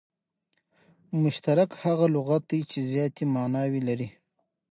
مشترک هغه لغت دئ، چي زیاتي ماناوي ولري.